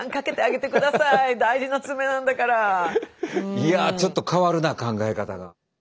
いやちょっと変わるな考え方が。